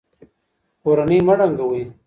کورنۍ مه ړنګوئ.